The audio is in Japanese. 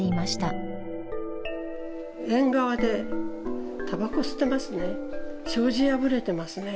縁側でタバコ吸ってますね。